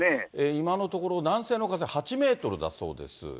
今のところ、南西の風８メートルだそうです。